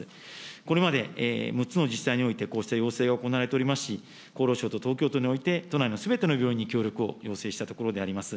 これまで６つの自治体においてこうした要請が行われておりますし、厚労省と東京都において、都内のすべての病院に協力を要請したところであります。